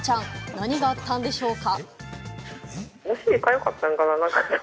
何があったんでしょうか？